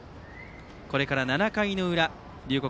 これから７回の裏龍谷